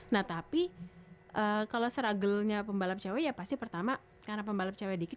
nah tapi kalo struggle nya pembalap cewek ya pasti pertama karena pembalap cewek dikit